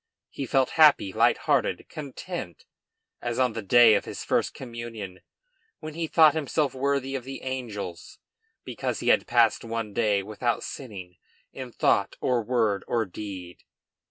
He felt happy, light hearted, content, as on the day of his first communion, when he thought himself worthy of the angels because he had passed one day without sinning in thought, or word, or deed.